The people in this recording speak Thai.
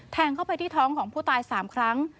เข้าไปที่ท้องของผู้ตาย๓ครั้ง